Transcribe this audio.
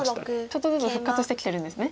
ちょっとずつ復活してきてるんですね。